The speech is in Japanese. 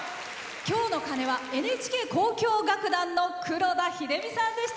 今日の鐘はＮＨＫ交響楽団の黒田英実さんでした。